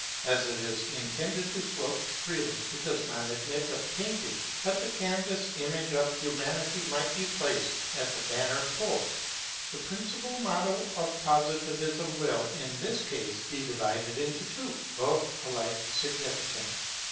As it is intended to float freely, it does not admit of painting; but the carved image of Humanity might be placed at the banner pole. The principal motto of Positivism will, in this case, be divided into two, both alike significant.